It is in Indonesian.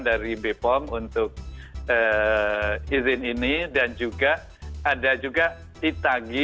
dari bepom untuk izin ini dan juga ada juga itagi